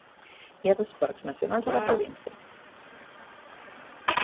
Hi ha dos parcs nacionals a la província.